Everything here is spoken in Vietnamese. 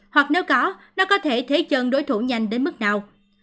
hoặc nếu có nó có thể thế chân đối thủ nhanh đến mức nào